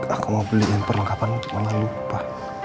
aku mau beliin perlengkapan untuk malah lupa